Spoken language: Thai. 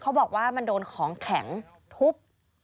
เขาบอกว่ามันโดนของแข็งทุบ